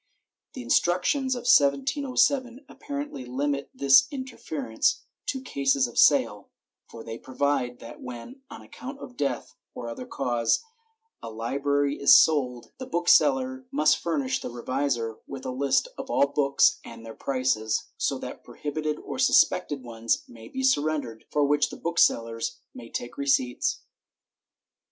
The instructions of 1707 apparently limit this interference to cases of sale, for they provide that when, on account of death or other cause, a library is sold, the booksellers must furnish the revisor with a list of all books and their prices, so that prohibited or sus pected ones may be surrendered, for which the booksellers can take receipts.